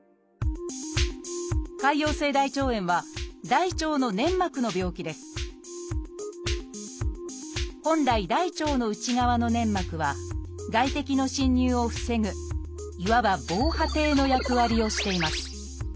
「潰瘍性大腸炎」は大腸の粘膜の病気です本来大腸の内側の粘膜は外敵の侵入を防ぐいわば防波堤の役割をしています